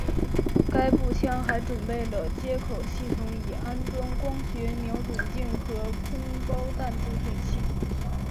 该步枪还配备了接口系统以安装光学瞄准镜和空包弹助退器。